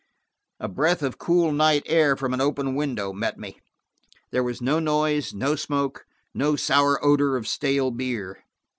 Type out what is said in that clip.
A breath of cool night air from an open window met me. There was no noise, no smoke, no sour odor of stale beer.